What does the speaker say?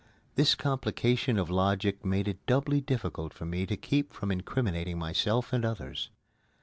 This complication of logic made it doubly difficult for me to keep from incriminating myself and others.